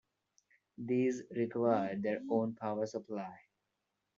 These required their own power-supply.